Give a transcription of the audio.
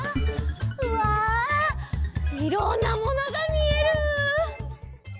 うわいろんなものがみえる！